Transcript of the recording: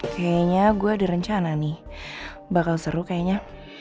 kayaknya gue ada rencana nih bakal seru kayaknya